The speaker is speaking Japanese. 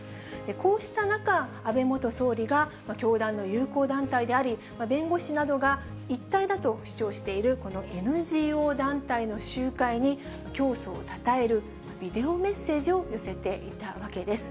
こうした中、安倍元総理が教団の友好団体であり、弁護士などが一体だと主張している、このＮＧＯ団体の集会に、教祖をたたえるビデオメッセージを寄せていたわけです。